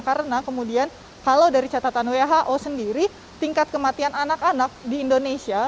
karena kemudian kalau dari catatan who sendiri tingkat kematian anak anak di indonesia